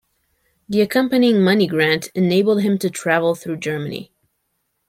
The accompanying money grant enabled him to travel through Germany.